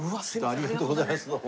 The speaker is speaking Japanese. ありがとうございますどうも。